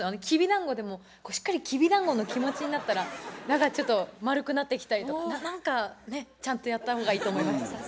きびだんごでもしっかりきびだんごの気持ちになったら何かちょっと丸くなってきたりとか何かねちゃんとやった方がいいと思いました。